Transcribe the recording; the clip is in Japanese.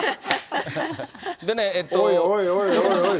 おいおいおいおい。